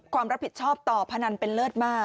ความรับผิดชอบต่อพนันเป็นเลิศมาก